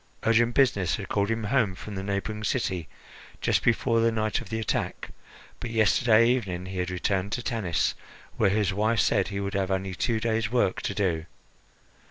Urgent business had called him home from the neighbouring city just before the night of the attack; but yesterday evening he had returned to Tanis, where his wife said he would have only two days' work to do.